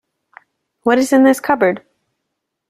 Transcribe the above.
What is in this cupboard?